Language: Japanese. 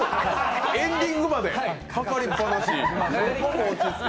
エンディングまでかかりっぱなし。